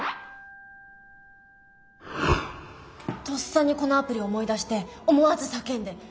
とっさにこのアプリ思い出して思わず叫んで。